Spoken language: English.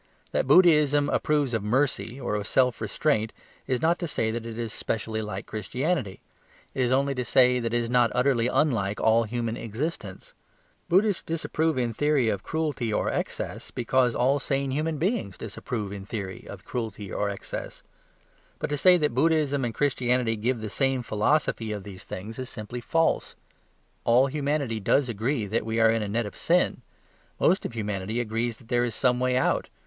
That Buddhism approves of mercy or of self restraint is not to say that it is specially like Christianity; it is only to say that it is not utterly unlike all human existence. Buddhists disapprove in theory of cruelty or excess because all sane human beings disapprove in theory of cruelty or excess. But to say that Buddhism and Christianity give the same philosophy of these things is simply false. All humanity does agree that we are in a net of sin. Most of humanity agrees that there is some way out.